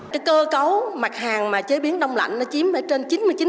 cái cơ cấu mặt hàng mà chế biến đông lạnh nó chiếm ở trên chín mươi chín